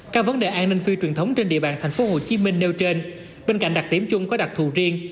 các vấn đề an ninh phi truyền thống trên địa bàn tp hcm nêu trên bên cạnh đặc điểm chung có đặc thù riêng